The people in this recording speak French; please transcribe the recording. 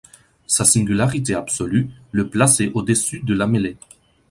Sa singularité absolue le plaçait au-dessus de la mêlée.